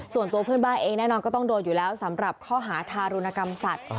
ส่วนตัวเพื่อนบ้านเองแน่นอนก็ต้องโดนอยู่แล้วสำหรับข้อหาทารุณกรรมสัตว์